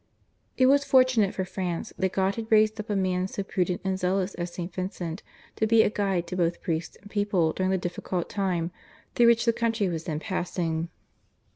It was fortunate for France that God had raised up a man so prudent and zealous as St. Vincent to be a guide to both priests and people during the difficult times through which the country was then passing.